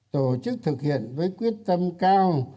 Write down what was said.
tổ chức thực hiện với quyết tâm cao